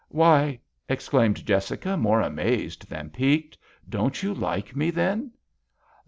" Why !" exclaimed Jessica, more amazed than piqued, " don't you like me, then